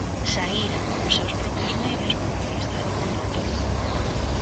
Saíra polos seus propios medios pola fiestra do condutor.